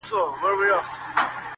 زما د خيال د فلسفې شاعره ,